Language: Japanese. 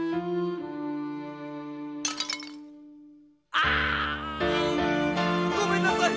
あ！ごめんなさい！